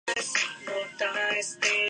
اگر اس کا نتیجہ سٹریٹجک ڈیپتھ